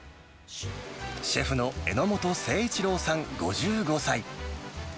シェフの榎本誠一郎さん５５歳。